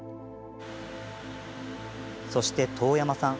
そして、當山さん